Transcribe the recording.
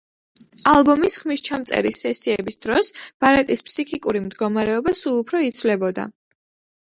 ალბომის ხმისჩამწერი სესიების დროს ბარეტის ფსიქიკური მდგომარეობა სულ უფრო იცვლებოდა.